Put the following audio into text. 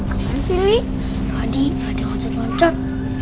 akan sini tadi tadi loncat loncat